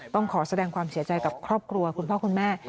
ต้องขอแสดงความเสียใจกับครอบครัวคุณพ่อคุณแม่